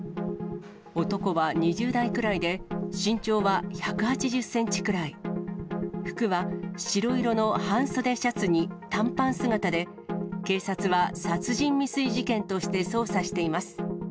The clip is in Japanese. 男は２０代くらいで、身長は１８０センチくらい、服は白色の半袖シャツに短パン姿で、警察は殺人未遂事件として捜査しています。